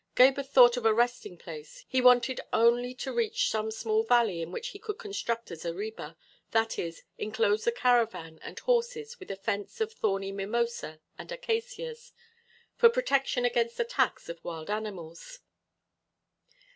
Gebhr thought of a resting place; he wanted only to reach some small valley in which he could construct a zareba, that is, enclose the caravan and horses with a fence of thorny mimosa and acacias, for protection against attacks of wild animals.